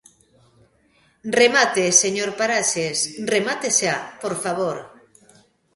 Remate, señor Paraxes; remate xa, por favor.